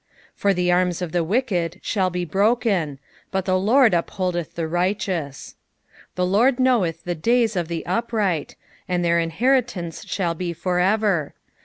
17 For the arms of the wicked shall be broken : but the LORD 'T' upholdeth the righteous. 18 The Lord knoweth the days of the upright : and their in heritance shall be for ever.